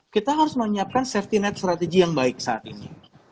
kita harus menyiapkan safety net strategy yang baik saat ini